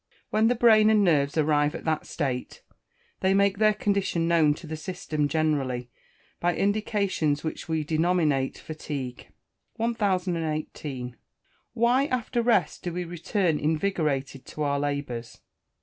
When the brain and nerves arrive at that state, they make their condition known to the system generally, by indications which we denominate fatigue. 1018. _Why, after rest, do we return invigorated to our labours?